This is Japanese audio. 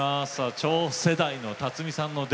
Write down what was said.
超世代の辰巳さん